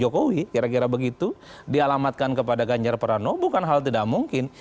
jokowi kira kira begitu dialamatkan kepada ganjar prano bukan hal tidak mungkin